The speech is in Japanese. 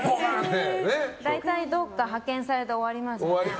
大体派遣されて終わりますね。